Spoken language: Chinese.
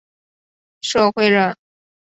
郗恢人。